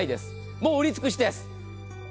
もう売り尽くしです。